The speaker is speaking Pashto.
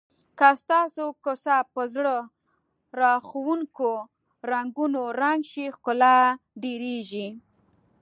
که ستاسو کوڅه په زړه راښکونکو رنګونو رنګ شي ښکلا ډېریږي.